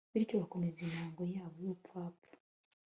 bityo bakomeza imihango yabo yubupfapfa